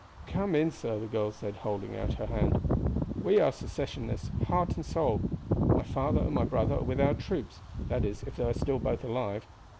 "Come in, sir," the girl said, holding out her hand. "We are Secessionists, heart and soul. My father and my brother are with our troops that is, if they are both alive.